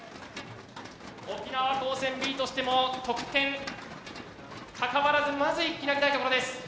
沖縄高専Ｂとしても得点かかわらずまず１機投げたいところです。